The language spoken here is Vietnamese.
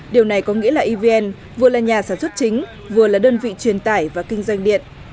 điều này có nghĩa là evn vừa là nhà sản xuất chính vừa là đơn vị truyền tải và kinh doanh điện